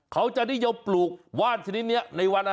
เขาจะนิยมปลูกว่านชนิดนี้ในวันอะไร